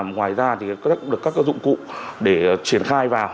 ngoài ra thì được các dụng cụ để triển khai vào